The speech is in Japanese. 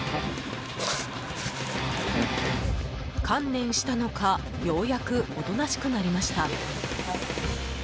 観念したのかようやくおとなしくなりました。